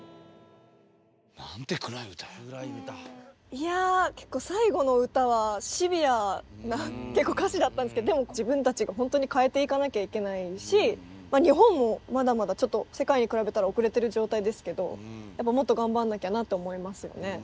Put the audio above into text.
いや結構最後の歌はシビアな歌詞だったんですけどでも自分たちが本当に変えていかなきゃいけないし日本もまだまだちょっと世界に比べたら遅れてる状態ですけどやっぱりもっと頑張んなきゃなって思いますよね。